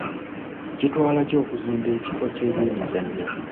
KItwala ki okuzimba ekifo ky'ebyemizannyo?